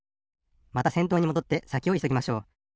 またせんとうにもどってさきをいそぎましょう。